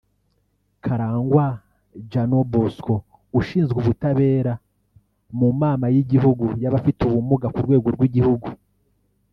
Karangwa Jeano Bosco ushinzwe ubutabera mu Mama y’igihugu y’abafite ubumuga ku rwego rw’igihugu